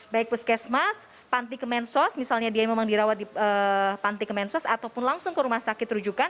baik puskesmas panti kemensos misalnya dia yang memang dirawat di panti kemensos ataupun langsung ke rumah sakit rujukan